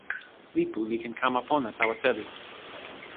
lipu li ken kama pona tawa seli.